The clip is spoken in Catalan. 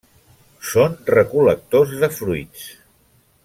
Són recol·lectors de fruits.